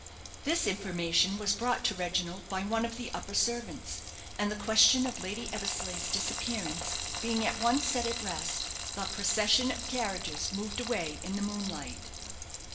This information was brought to Reginald by one of the upper servants; and the question of Lady Eversleigh's disappearance being at once set at rest, the procession of carriages moved away in the moonlight.